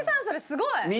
それすごい！